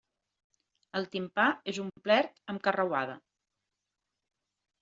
El timpà és omplert amb carreuada.